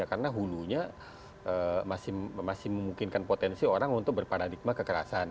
karena hulunya masih memungkinkan potensi orang untuk berparadigma kekerasan